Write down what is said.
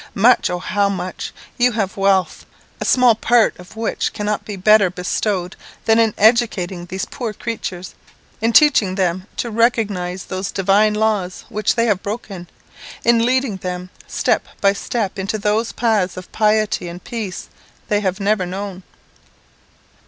Much; oh, how much! You have wealth, a small part of which cannot be better bestowed than in educating these poor creatures; in teaching them to recognise those divine laws which they have broken; in leading them step by step into those paths of piety and peace they have never known.